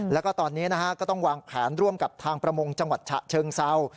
แล้วก็ตอนนี้นะฮะก็ต้องวางแผนร่วมกับทางประมงจังหวัดฉะเชิงเซา